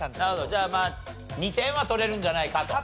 じゃあまあ２点は取れるんじゃないかと。